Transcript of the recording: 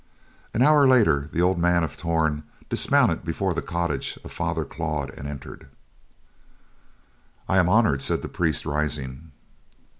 An hour later, the old man of Torn dismounted before the cottage of Father Claude and entered. "I am honored," said the priest, rising.